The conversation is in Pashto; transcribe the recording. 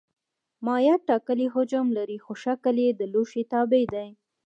مایعات ټاکلی حجم لري خو شکل یې د لوښي تابع دی.